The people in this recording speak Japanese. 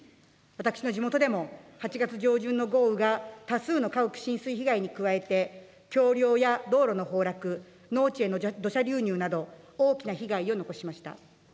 私の地元でも８月上旬の豪雨が多数の家屋浸水被害に加えて、橋りょうや道路の崩落、農地への土砂流入など、大きな被害を残しました。